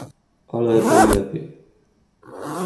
"Ale to i lepiej."